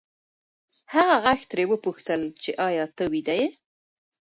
هغه غږ ترې وپوښتل چې ایا ته ویده یې؟